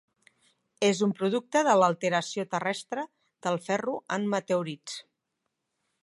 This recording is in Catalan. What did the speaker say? És un producte de l'alteració terrestre del ferro en meteorits.